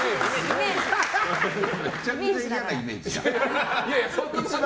めちゃめちゃ嫌なイメージやん。